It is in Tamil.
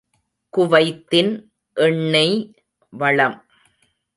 குவைத்தின் எண்ணெய் வளம்!